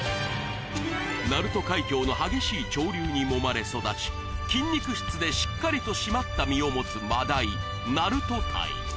鳴門海峡の激しい潮流にもまれ育ち筋肉質でしっかりと締まった身を持つ真鯛鳴門鯛